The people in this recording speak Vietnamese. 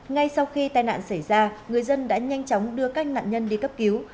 ngay sau khi tai nạn xảy ra người dân đã nhanh chóng đưa các nạn nhân đi cấp cứu